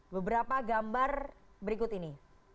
beberapa gambar berikut ini